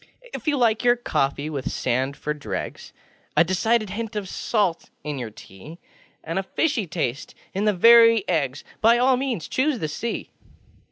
If you like your coffee with sand for dregs, A decided hint of salt in your tea, And a fishy taste in the very eggsŌĆö By all means choose the Sea.